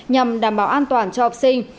nhằm đảm bảo an toàn cho học sinh